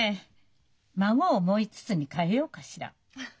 「孫思いつつ」に変えようかしら。